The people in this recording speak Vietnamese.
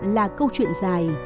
là câu chuyện dài